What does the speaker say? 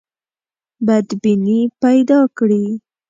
بدبیني پیدا کړي.